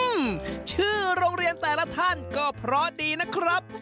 อื้อหือชื่อโรงเรียนแต่ละท่านก็พอดีนะครับ